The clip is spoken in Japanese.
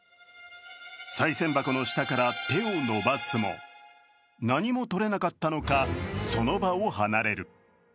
さい銭箱の下から手を伸ばすも何も取れなかったのか、その場を離れる。